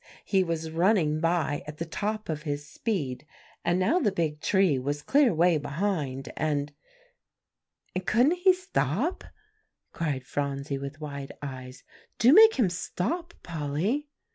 he was running by at the top of his speed, and now the big tree was clear way behind, and" "And couldn't he stop?" cried Phronsie with wide eyes. "Do make him stop, Polly."